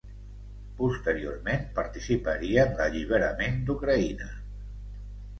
Posteriorment participaria en l'alliberament d'Ucraïna.